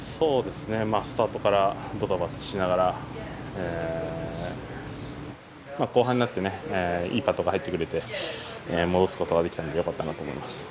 スタートからドタバタしながら後半になっていいパットが入ってくれて戻すことができたのでよかったと思います。